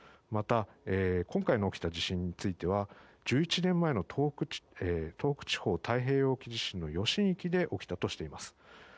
また今回起きた地震については１１年前の東北地方太平洋沖地震の余震域で起きたとしています。